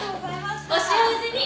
お幸せに！